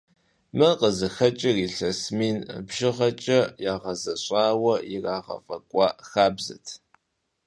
Мыр къызыхэкӀыр илъэс мин бжыгъэкӀэ ягъэзащӀэурэ ирагъэфӀэкӀуа хабзэт.